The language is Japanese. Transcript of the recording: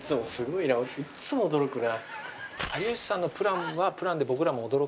いっつも驚くな。